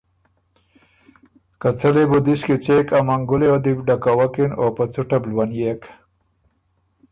که څۀ لې بُو دِس څېک ا منګُلئ یه دی بُو ډکوکِن او په څُټه بو لونيېک۔